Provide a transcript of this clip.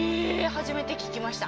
初めて聞きました。